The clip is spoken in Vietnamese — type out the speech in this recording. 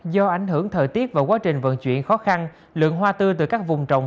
do ảnh hưởng thời tiết và quá trình vận chuyển khó khăn lượng hoa tư từ các vùng trồng